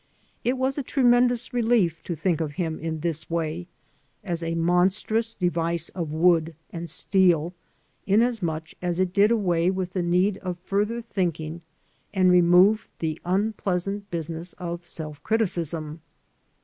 It was a tremendous relief to think of him in this way, as a monstrous device of wood and steel, inasmuch as it 28S^ AN AMERICAN IN THE MAKING did away with the need of further thinking and removed the unpleasant business of self criticism.